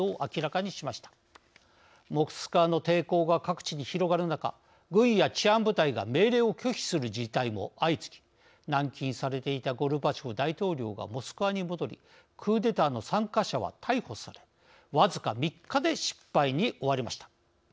モスクワの抵抗が各地に広がる中軍や治安部隊が命令を拒否する事態も相次ぎ軟禁されていたゴルバチョフ大統領がモスクワに戻りクーデターの参加者は逮捕され僅か３日で失敗に終わりました。